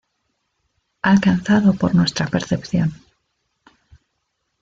Alcanzado por nuestra percepción.